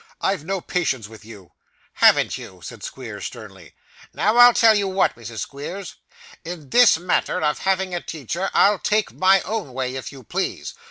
I've no patience with you.' 'Haven't you!' said Squeers, sternly. 'Now I'll tell you what, Mrs Squeers. In this matter of having a teacher, I'll take my own way, if you please.